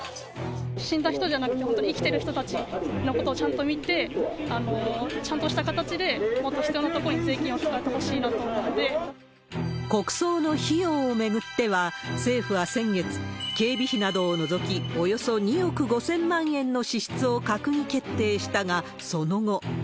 死んだ人じゃなくて、本当に生きてる人たちのことをちゃんと見て、ちゃんとした形でもっと必要なところに税金を使ってほしいなと思国葬の費用を巡っては、政府は先月、警備費などを除き、およそ２億５０００万円の支出を閣議決定したが、その後。